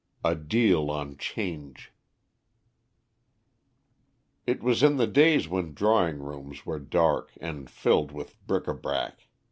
A DEAL ON 'CHANGE It was in the days when drawing rooms were dark, and filled with bric a brac.